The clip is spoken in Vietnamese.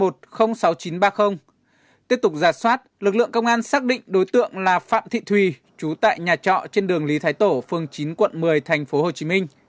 tiếp tục giả soát lực lượng công an xác định đối tượng là phạm thị thùy chú tại nhà trọ trên đường lý thái tổ phương chín quận một mươi tp hcm